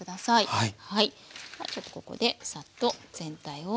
はい。